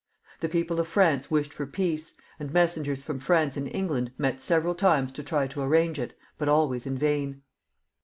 The people of France wished for peace, and messengers from France and England met several times to try and arrange it, but always in vain.